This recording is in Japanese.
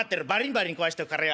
バリン壊しておくからよ。